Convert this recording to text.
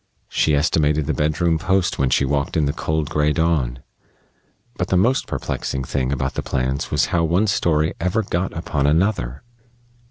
She estimated the bedroom post when she walked in the cold, gray dawn.... But the most perplexing thing about the plans was how one story ever got upon another.